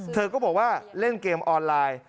เธอก็บอกว่าเล่นเกมออนไลน์